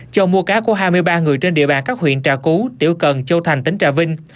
châu mua cá của hai mươi ba người trên địa bàn các huyện trà cú tiểu cần châu thành tỉnh trà vinh